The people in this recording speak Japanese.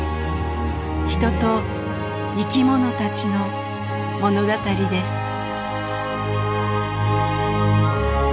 人と生き物たちの物語です。